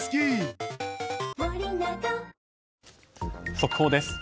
速報です。